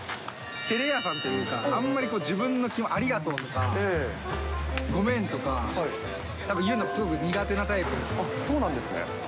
てれ屋さんっていうか、あんまり自分の気持ち、ありがとうとかごめんとか、なんか言うの、すごく苦手なタイそうなんですね。